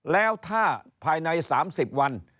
แล้วถ้าภายใน๓๐วัน